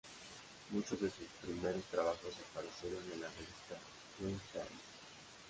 Muchos de sus primeros trabajos aparecieron en la revista "Weird Tales".